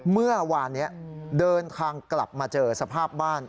เมื่อวานนี้เดินทางกลับมาเจอสภาพบ้าน